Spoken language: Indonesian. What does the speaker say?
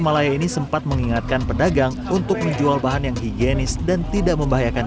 malaya ini sempat mengingatkan pedagang untuk menjual bahan yang higienis dan tidak membahayakan